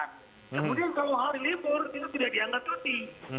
kemudian kalau hal ini itu tidak dianggap cuti